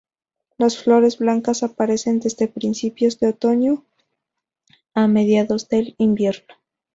Las flores blancas aparecen desde principios de otoño a mediados del invierno.